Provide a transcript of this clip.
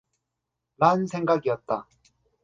란 생각이었다.